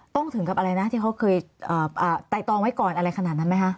ถึงกับอะไรนะที่เขาเคยไตตองไว้ก่อนอะไรขนาดนั้นไหมคะ